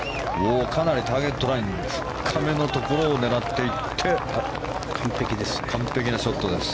かなりターゲットライン深めのところを狙っていって完璧なショットです。